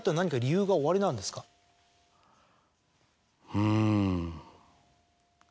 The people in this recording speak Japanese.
うん。